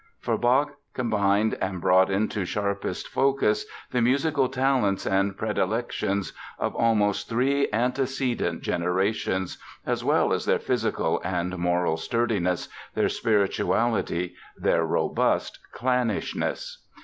For Bach combined and brought into sharpest focus the musical talents and predilections of almost three antecedent generations, as well as their physical and moral sturdiness, their spirituality, their robust clannishness.